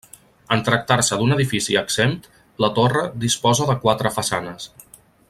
En tractar-se d'un edifici exempt, la torre disposa de quatre façanes.